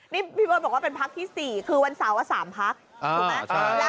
นี่พี่เบิร์ตบอกว่าเป็นพักที่๔คือวันเสาร์๓พักถูกไหม